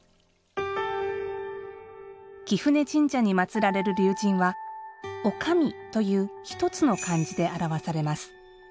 貴船神社に祭られる龍神は「おかみ」という一つの漢字で表されます。